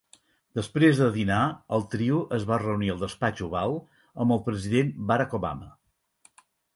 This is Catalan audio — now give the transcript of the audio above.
Després de dinar, el trio es va reunir al despatx Oval amb el president Barack Obama.